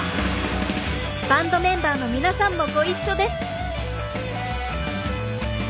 バンドメンバーの皆さんもご一緒です。